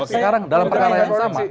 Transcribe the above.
sekarang dalam perkara yang sama